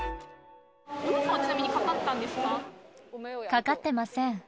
お姉さんは、ちなみにかかっかかってません。